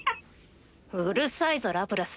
うるさいぞラプラス。